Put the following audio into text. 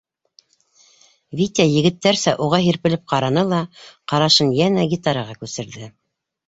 Витя егеттәрсә уға һирпелеп ҡараны ла ҡарашын йәнә гитараға күсерҙе.